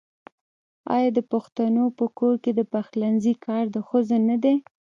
آیا د پښتنو په کور کې د پخلنځي کار د ښځو نه دی؟